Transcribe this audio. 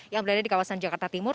yang berada di kawasan jakarta timur